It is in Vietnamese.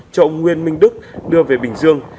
cho ông nguyên minh đức đưa về bình dương